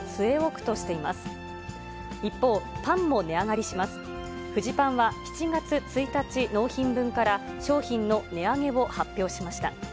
フジパンは７月１日納品分から、商品の値上げを発表しました。